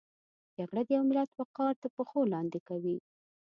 جګړه د یو ملت وقار تر پښو لاندې کوي